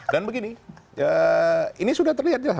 dan begini ini sudah terlihat